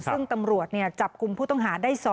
ซึ่งตำรวจจับกลุ่มผู้ต้องหาได้๒